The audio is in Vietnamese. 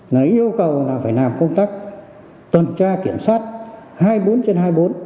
là yêu cầu là phải làm công tác tuần tra kiểm soát hai mươi bốn trên hai mươi bốn